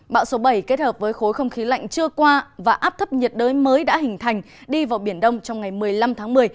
bão số bảy kết hợp với khối không khí lạnh chưa qua và áp thấp nhiệt đới mới đã hình thành đi vào biển đông trong ngày một mươi năm tháng một mươi